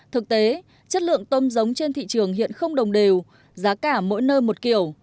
thực tế chất lượng tôm giống trên thị trường hiện không đồng đều giá cả mỗi nơi một kiểu